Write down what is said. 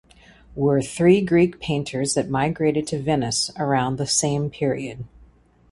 Were three Greek painters that migrated to Venice around the same period.